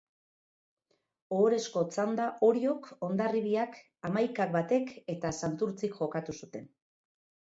Ohorezko txanda Oriok, Hondarribiak, Amaikak Batek eta Santurtzik jokatu zuten.